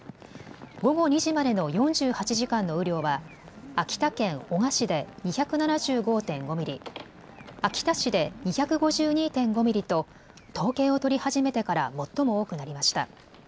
午後２時までの４８時間の雨量は秋田県男鹿市で２７５．５ミリ、秋田市で２５２．５ミリと統計を取り始めてから最も多くなりました。